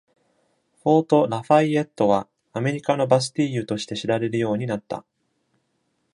フォート・ラファイエットは、「アメリカのバスティーユ」として知られるようになった。